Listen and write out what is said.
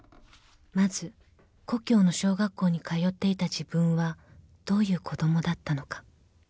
［まず故郷の小学校に通っていた自分はどういう子供だったのか］